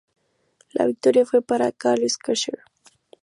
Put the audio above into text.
La victoria fue para Carl Schlechter.